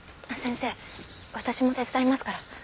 先生私も手伝いますから。